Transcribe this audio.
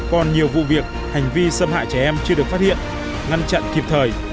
còn nhiều vụ việc hành vi xâm hại trẻ em chưa được phát hiện ngăn chặn kịp thời